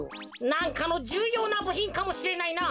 なんかのじゅうようなぶひんかもしれないな。